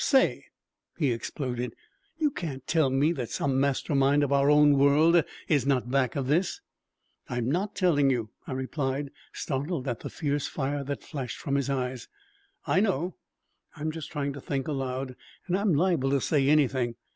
"Say!" he exploded. "You can't tell me that some master mind of our own world is not back of this!" "I'm not telling you," I replied, startled at the fierce fire that flashed from his eyes. "I know. I'm just trying to think aloud and I'm liable to say anything.